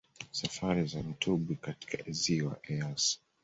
Safari za mtubwi katika Ziwa Eyasi